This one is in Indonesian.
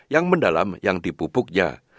yang mendalam yang dipupuknya